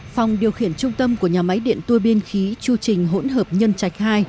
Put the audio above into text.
phòng điều khiển trung tâm của nhà máy điện tuôi biên khí chu trình hỗn hợp nhân trạch hai